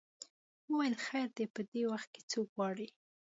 وویل خیر دی په دې وخت کې څوک غواړې.